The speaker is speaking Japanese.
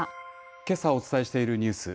けさお伝えしているニュース。